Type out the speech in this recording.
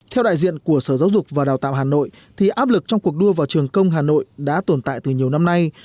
theo đại diện của sở giáo dục và đào tạo hà nội thì áp lực trong cuộc đua vào trường công hà nội đã tồn tại từ nhiều năm nay